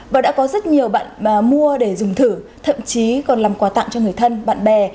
và đã có rất nhiều bạn mua để dùng thử thậm chí còn làm quà tặng cho người thân bạn bè